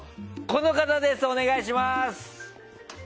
この方です、お願いします。